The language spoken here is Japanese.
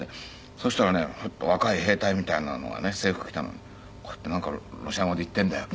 そしたらね若い兵隊みたいなのがね制服着たのこうやってなんかロシア語で言っているんだよ。